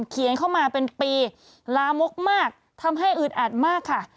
เขียนเข้ามาเป็นปีลามกมากทำให้อึดอัดมากค่ะ